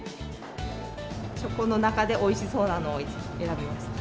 チョコの中でおいしそうなのを選びました。